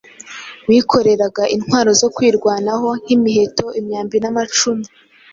bikoreraga intwaro zo kwirwanaho nk’imiheto, imyambi n’amacumu,